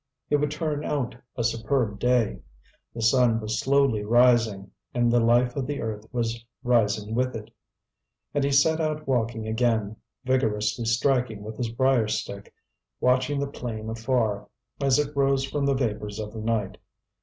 It would turn out a superb day. The sun was slowly rising, and the life of the earth was rising with it. And he set out walking again, vigorously striking with his brier stick, watching the plain afar, as it rose from the vapours of the night.